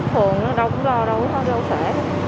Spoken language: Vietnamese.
thường đâu cũng lo đâu có lo sẻ